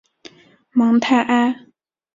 芒泰埃。